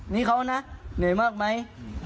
นี่เขานะเหนื่อยมากไหม